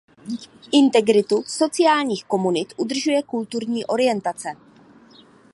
Integritu sociálních komunit udržuje kulturní orientace.